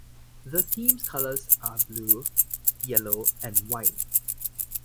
The team's colors are blue, yellow and white.